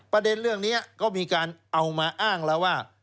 ประเด็นเรื่องนี้ก็มีการเอามาอ้างแล้วว่า